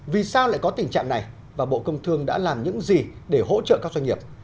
vì sao lại có tình trạng này và bộ công thương đã làm những gì để hỗ trợ các doanh nghiệp